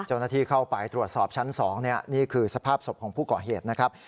เจ้าหน้าที่เข้าไปตรวจสอบชั้น๒นี่คือสภาพศพของผู้ก่อเหตุนะครับ